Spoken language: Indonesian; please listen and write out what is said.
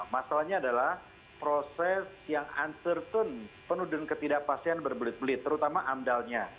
masalahnya adalah proses yang uncertain penuh dengan ketidakpastian berbelit belit terutama amdalnya